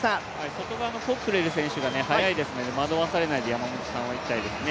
外側のコックレル選手が速いですので惑わされないで山本さんは行きたいですね。